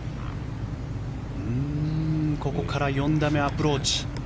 ここから４打目、アプローチ。